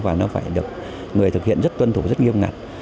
và nó phải được người thực hiện rất tuân thủ rất nghiêm ngặt